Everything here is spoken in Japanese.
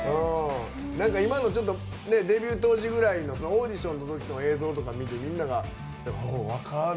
何か今のデビュー当時ぐらいのオーディションのときの映像とか見てみんなが「若っ！」